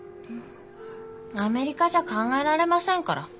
アメリカじゃ考えられませんから。